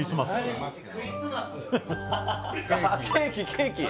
ケーキケーキ！